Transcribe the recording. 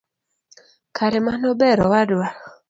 Kare mano ber awadwa.